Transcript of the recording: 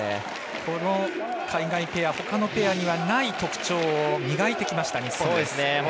このペアほかのペアにはない特徴を磨いてきました、日本。